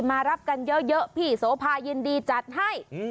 มารับกันเยอะพี่โสภายินดีจัดให้